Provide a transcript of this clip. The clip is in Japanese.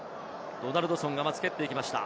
ドナルドソンがまず蹴っていきました。